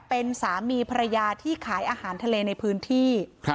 เป็นสามีภรรยาที่ขายอาหารทะเลในพื้นที่